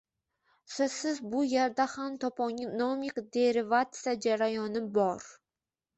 So‘zsiz, bu yerda ham toponimik derivatsiya jarayoni bor.